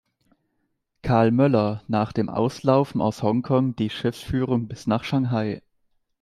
Carl Möller nach dem Auslaufen aus Hongkong die Schiffsführung bis nach Shanghai.